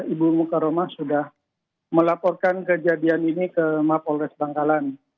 ibu mokarono sudah melaporkan kejadian ini ke mapol resbangkalan